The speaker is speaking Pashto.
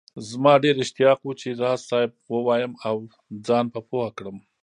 زما ډېر اشتياق وو چي راز صاحب ووايم او زان په پوهه کړم